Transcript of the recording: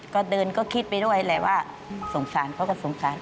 ก็เดินก็คิดไปด้วยแหละว่าสงสารเขาก็สงสาร